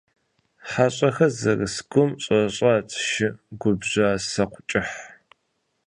ХьэщӀэхэр зэрыс гум щӀэщӀат шы гъуабжэ соку кӀыхь.